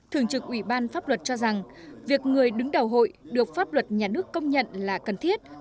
thường trực ủy ban pháp luật cho rằng việc người đứng đầu hội được pháp luật nhà nước công nhận là cần thiết